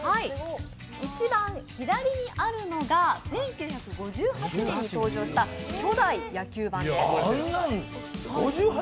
一番左にあるのが１９５８年に登場した初代野球盤です。